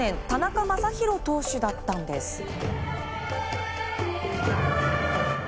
田中将大投手だったんです。